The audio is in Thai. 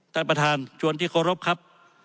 ท่านประธานชวนที่เคารพครับ